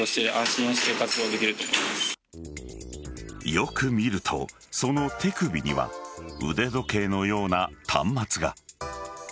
よく見ると、その手首には腕時計のような端末が。